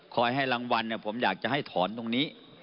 ให้รางวัลผมอยากจะให้ถอนตรงนี้